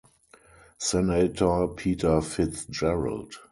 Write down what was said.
Senator Peter Fitzgerald.